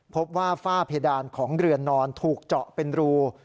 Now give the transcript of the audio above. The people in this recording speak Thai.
พบว่าฝ้าเพดานของเรือนนอนถูกเจาะเป็นรู